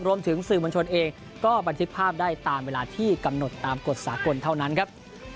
รวมถึงสื่อมวลชนเองก็บันทึกภาพได้ตามเวลาที่กำหนดตามกฎสากลเท่านั้นครับ